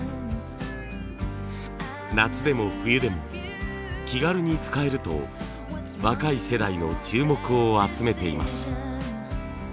夏でも冬でも気軽に使えると若い世代の注目を集めています。